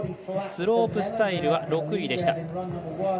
スロープスタイルは６位でした。